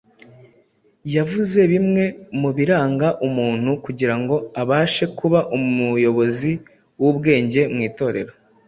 yavuze bimwe mu biranga umuntu kugira ngo abashe kuba umuyobozi w’ubwenge mu Itorero.